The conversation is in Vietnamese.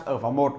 ở vòng một